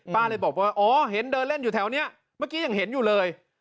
เลยบอกว่าอ๋อเห็นเดินเล่นอยู่แถวนี้เมื่อกี้ยังเห็นอยู่เลย